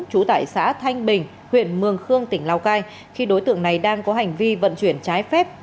trú tại xã thanh bình huyện mường khương tỉnh lào cai khi đối tượng này đang có hành vi vận chuyển trái phép